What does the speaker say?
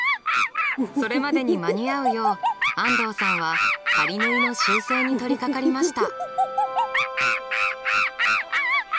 それまでに間に合うよう安藤さんは仮縫いの修正に取りかかりました。